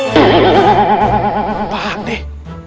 kau paham deh